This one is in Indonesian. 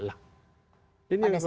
lah ini yang bisa